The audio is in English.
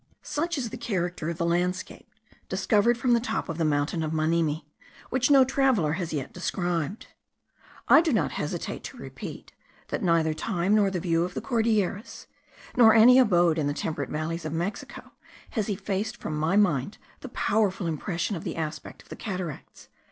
Such is the character of the landscape discovered from the top of the mountain of Manimi, which no traveller has yet described. I do not hesitate to repeat, that neither time, nor the view of the Cordilleras, nor any abode in the temperate valleys of Mexico, has effaced from my mind the powerful impression of the aspect of the cataracts.